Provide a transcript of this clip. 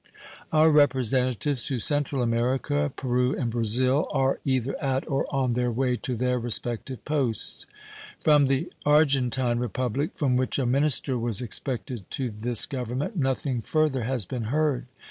Our representatives to Central America, Peru, and Brazil are either at or on their way to their respective posts. From the Argentine Republic, from which a minister was expected to this Government, nothing further has been heard.